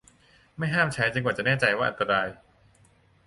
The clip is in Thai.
ไม่ห้ามใช้จนกว่าจะแน่ใจว่าอันตราย